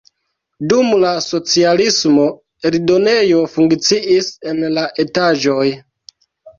Dum la socialismo eldonejo funkciis en la etaĝoj.